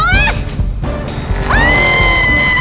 apaan sih ini tuhan